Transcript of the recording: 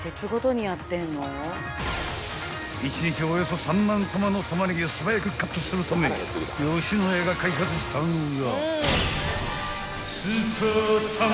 ［１日およそ３万玉のタマネギを素早くカットするため野家が開発したのが］